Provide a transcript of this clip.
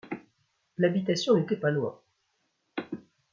L’habitation n’était pas loin.